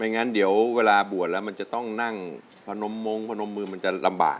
งั้นเดี๋ยวเวลาบวชแล้วมันจะต้องนั่งพนมมงพนมมือมันจะลำบาก